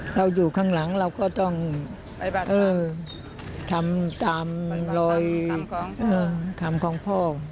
เราอยู่ข้างหลังเราก็ต้องทำตามรอยทำของพ่อ